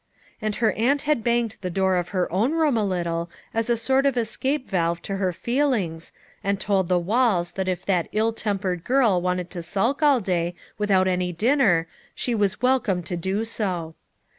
And her aunt had banged the door of her own room a FOUR MOTHERS AT CHAUTAUQUA 119 little as a sort of escape valve to her feelings and told the walls that if that ill tempered girl wanted to sulk all day without any dinner she was welcome to do so.